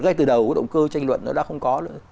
ngay từ đầu cái động cơ tranh luận nó đã không có nữa